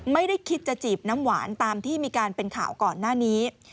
ไม่ได้คิดจะจีบน้ำหวานตามที่มีการเป็นข่าวก่อนหน้านี้